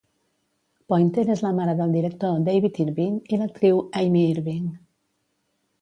Pointer és la mare del director David Irving i l'actriu Amy Irving.